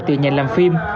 từ nhà làm phim